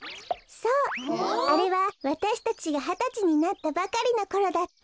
そうあれはわたしたちがはたちになったばかりのころだった。